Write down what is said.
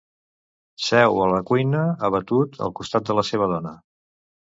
Seu a la cuina, abatut, al costat de la seva dona.